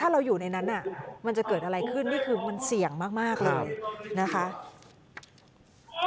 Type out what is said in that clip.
เราอยู่ในนั้นมันจะเกิดอะไรขึ้นนี่คือมันเสี่ยงมากเลยนะคะ